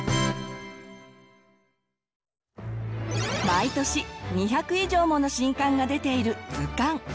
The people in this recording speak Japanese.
毎年２００以上もの新刊が出ている図鑑。